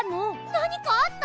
なにかあった？